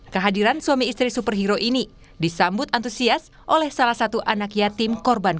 kehadiran suami istri superhero ini disambut antusias oleh salah satu anak yatim korban